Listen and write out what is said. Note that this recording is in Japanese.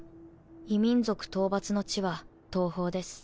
異民族討伐の地は東方です。